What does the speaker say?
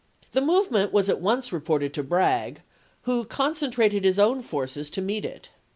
The move ment was at once reported to Bragg, who concen trated his own forces to meet it.